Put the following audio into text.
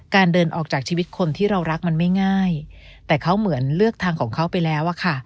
เดินออกจากชีวิตคนที่เรารักมันไม่ง่ายแต่เขาเหมือนเลือกทางของเขาไปแล้วอะค่ะ